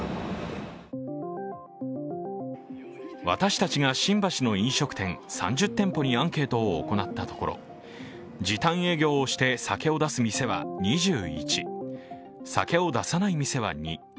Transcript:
私たちが新橋の飲食店３０店舗にアンケートを行ったところ時短営業をして酒を出す店は２１、酒を出さない店は２、